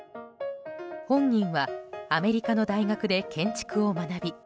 本人はアメリカの大学で建築を学び